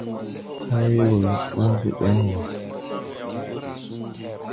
Hay we gɔ yɔg õõbe ɓayn wɔ!